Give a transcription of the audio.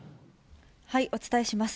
お伝えします。